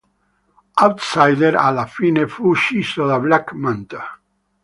Outsider alla fine fu ucciso da Black Manta.